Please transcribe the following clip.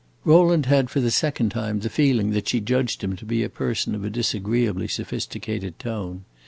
Rowland had for the second time the feeling that she judged him to be a person of a disagreeably sophisticated tone.